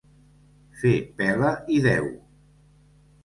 Fer pela i deu.